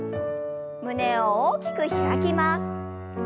胸を大きく開きます。